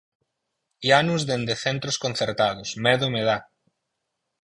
Ianus dende centros concertados, ¡medo me dá!